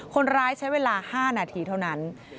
คนร้ายใช้เวลา๕นาทีเท่านั้น